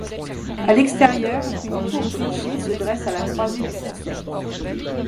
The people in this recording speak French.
A l’extérieur, une tour-clocher se dresse à la croisée du transept.